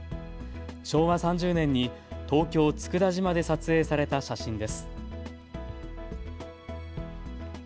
昭和３０年に東京佃島で撮影された写真です。